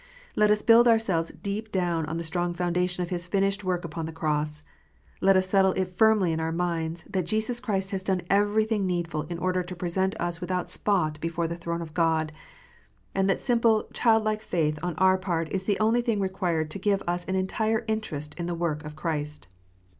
Let us build ourselves deep down on the strong foundation of His finished work upon the cross. Let us settle it firmly in our minds, that Christ Jesus has done every thing needful in order to present us without spot before the throne of God, and that simple, childlike faith on our part is the only thing required to give us an entire interest in the work of IDOLATRY. 421 Christ.